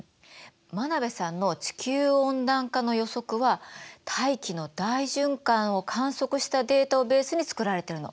真鍋さんの地球温暖化の予測は大気の大循環を観測したデータをベースに作られてるの。